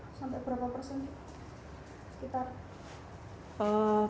sampai berapa persen